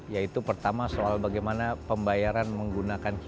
yaitu pertama soal bagaimana pembayaran menggunakan